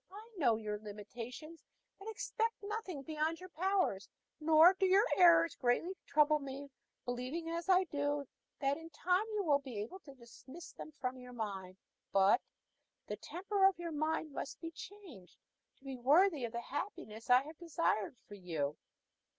I know your limitations, and expect nothing beyond your powers; nor do your errors greatly trouble me, believing as I do that in time you will be able to dismiss them from your mind. But the temper of your mind must be changed to be worthy of the happiness I have designed for you.